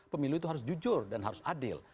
pemilu itu harus jujur dan harus adil